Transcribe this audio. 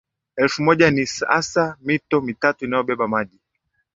Elfu moja Ni hasa mito mitatu inayobeba maji